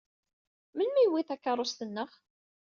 Melmi i yewwi takeṛṛust-nneɣ?